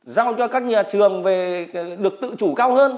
giao cho các nhà trường về được tự chủ cao hơn